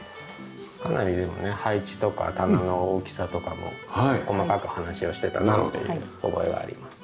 かなり配置とか棚の大きさとかも細かく話をしてたなっていう覚えがあります。